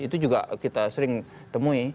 itu juga kita sering temui